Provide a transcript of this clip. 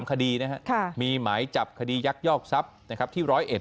คดีนะครับมีหมายจับคดียักยอกทรัพย์นะครับที่๑๐๑